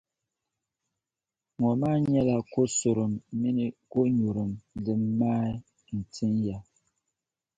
Ŋɔ maa nyɛla kosurum mini konyurim din maai n-tinya.